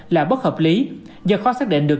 là bất hợp lý do khó xác định được